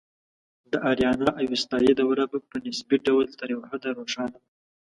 د آریانا اوستایي دوره په نسبي ډول تر یو حده روښانه ده